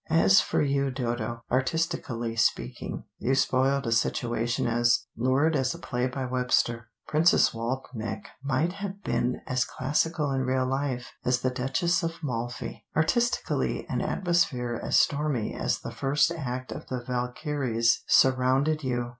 As for you, Dodo, artistically speaking, you spoiled a situation as lurid as a play by Webster. 'Princess Waldenech' might have been as classical in real life as the 'Duchess of Malfi.' Artistically an atmosphere as stormy as the first act of the Valkyries surrounded you.